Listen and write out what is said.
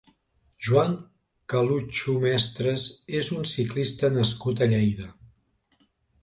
Joan Calucho Mestres és un ciclista nascut a Lleida.